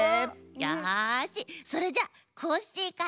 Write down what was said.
よしそれじゃコッシーから！